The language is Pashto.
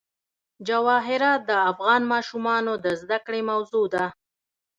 جواهرات د افغان ماشومانو د زده کړې موضوع ده.